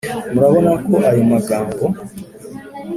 murabona ko ayo magambo,